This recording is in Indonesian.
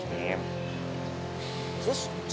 nanti gak penasaran terus sama si boy ya